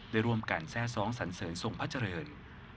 ได้ร่วมกันแทร่ซ้องสันเสริญทรงพระเจริญ